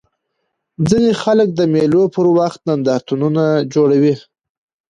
ځيني خلک د مېلو پر وخت نندارتونونه جوړوي.